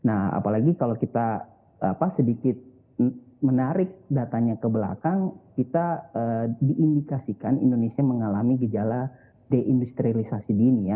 nah apalagi kalau kita sedikit menarik datanya ke belakang kita diindikasikan indonesia mengalami gejala deindustrialisasi dini ya